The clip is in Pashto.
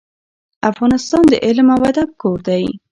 افغانستان د علم او ادب کور دی.